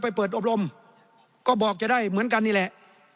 ไปเปิดอบรมก็บอกจะได้เหมือนกันนี่แหละ